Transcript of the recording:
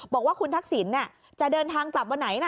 บอกว่าคุณทักษิณจะเดินทางกลับวันไหนนะ